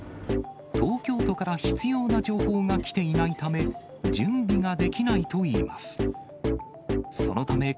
東京都から必要な情報が来ていないため、準備ができないといいます。